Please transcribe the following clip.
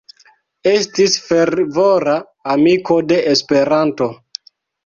Estis fervora amiko de Esperanto.